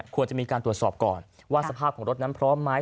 ควรจะมีการตรวจสอบก่อนว่าสภาพของรถนั้นพร้อมไหม